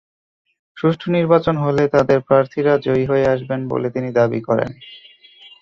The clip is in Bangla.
সুষ্ঠু নির্বাচন হলে তাঁদের প্রার্থীরা জয়ী হয়ে আসবেন বলে তিনি দাবি করেন।